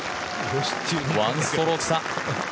１ストローク差。